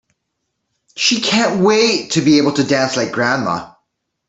She can't wait to be able to dance like grandma!